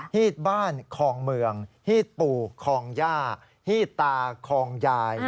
ีดบ้านคองเมืองฮีดปู่คองย่าฮีดตาคองยาย